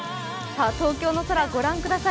東京の空、ご覧ください。